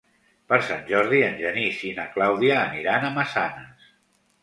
Per Sant Jordi en Genís i na Clàudia aniran a Massanes.